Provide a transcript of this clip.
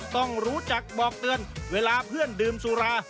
ต้องรู้จักบอกเตือนเวลาเพื่อนดื่มสุรา